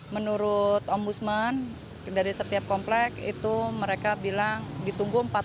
menurut ombudsman dari setiap komplek itu mereka bilang ditunggu empat